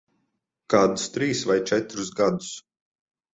Kādus trīs vai četrus gadus.